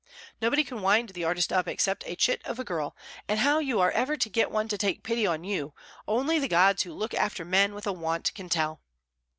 Nobody can wind the artist up except a chit of a girl; and how you are ever to get one to take pity on you, only the gods who look after men with a want can tell.